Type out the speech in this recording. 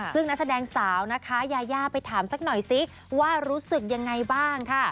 ซึ่งนักแสดงสาวนะคะยายาไปถามสักหน่อยซิว่ารู้สึกยังไงบ้างค่ะ